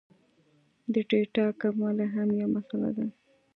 د ډېټا کموالی هم یو مسئله ده